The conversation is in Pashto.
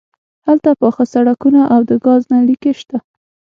هلته پاخه سړکونه او د ګاز نل لیکې شته